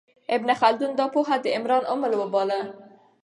ابن خلدون دا پوهه د عمران علم وباله.